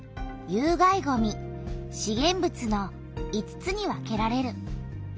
有害ごみ資源物の５つに分けられる。